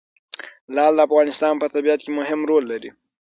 لعل د افغانستان په طبیعت کې مهم رول لري.